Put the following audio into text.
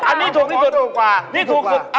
อันนี้ถูกสุดค่ะอันนี้ถูกสุดสุดพอล่ะ